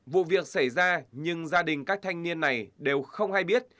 vụ việc xảy ra nhưng gia đình các thanh niên này đều không hay biết